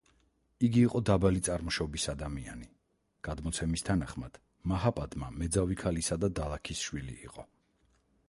იგი იყო დაბალი წარმოშობის ადამიანი, გადმოცემის თანახმად მაჰაპადმა მეძავი ქალისა და დალაქის შვილი იყო.